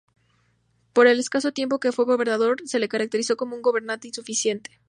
Por el escaso tiempo que fue gobernador, se lo caracterizó como un gobernante ineficiente.